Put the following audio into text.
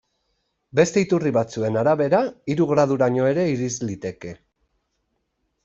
Beste iturri batzuen arabera, hiru graduraino ere irits liteke.